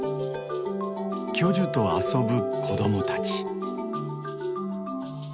巨樹と遊ぶ子供たち。